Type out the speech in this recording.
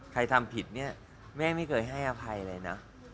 ทำผิดเนี่ยแม่ไม่เคยให้อภัยเลยนะ